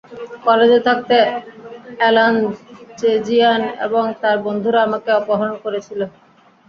কলেজে থাকতে এলানচেজিয়ান এবং তার বন্ধুরা আমাকে অপহরণ করেছিল।